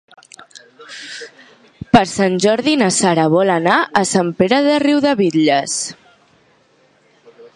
Per Sant Jordi na Sara vol anar a Sant Pere de Riudebitlles.